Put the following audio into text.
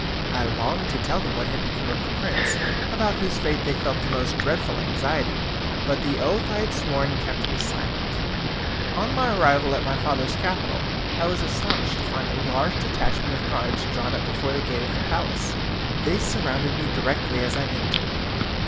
I longed to tell them what had become of the prince, about whose fate they felt the most dreadful anxiety, but the oath I had sworn kept me silent. On my arrival at my father's capital, I was astonished to find a large detachment of guards drawn up before the gate of the palace; they surrounded me directly I entered.